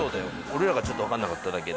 俺らがちょっとわかんなかっただけで。